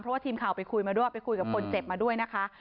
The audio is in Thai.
เพราะว่าทีมข่าวไปคุยมาด้วยไปคุยกับคนเจ็บมาด้วยนะคะ